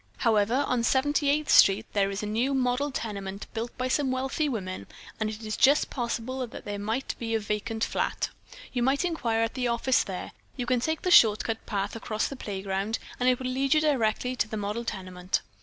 However, on Seventy eighth Street, there is a new model tenement built by some wealthy women and it is just possible that there may be a vacant flat. You might inquire at the office there. You can take the short cut path across the playground and it will lead you directly to the model tenement."